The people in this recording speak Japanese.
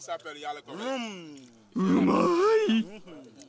うまい！